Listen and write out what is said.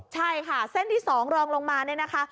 ใช่ค่ะเส้นที่๒รองลงมาเนี่ยนะคะ